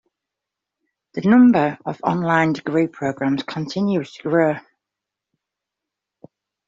The number of online degree programs continues to grow.